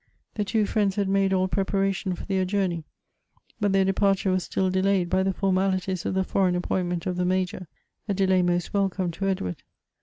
The two friends had made all preparation for their journey, but their departure was still delayed by the formalities of the foreign appointment of the Mfijor, a delay most welcome to Edward.